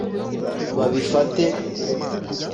babifate